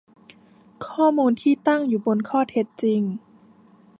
ข้อมูลที่ตั้งอยู่บนข้อเท็จจริง